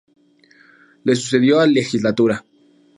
Le sucedió la legislatura.